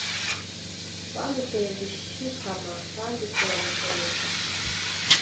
kwamuteye gushikama kandi kuramukomeza.